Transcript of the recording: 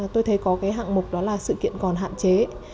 tôi thấy có cái hạng mục đó là sự kiện còn hạn chế